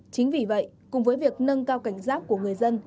chính vì vậy cùng với việc nâng cao cảnh giác của người dân